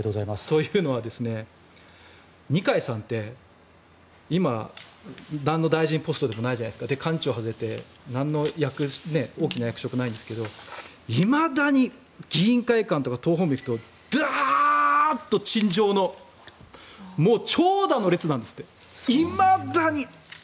というのは二階さんって今、なんの大臣ポストでもないじゃないですか。官庁を外れてなんの大きな役職もないんですがいまだに議員会館とか党本部に行くとだーっと陳情の長蛇の列なんですって。いまだに。